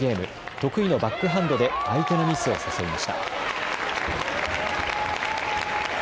得意のバックハンドで相手のミスを誘いました。